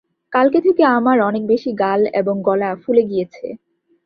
কালকে থেকে আমার অনেক বেশি গাল এবং গলা ফুলে গিয়েছে।